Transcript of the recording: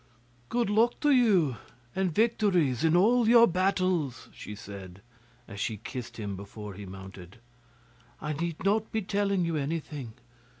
'Good luck to you, and victories in all your battles,' she said, as she kissed him before he mounted. 'I need not be telling you anything.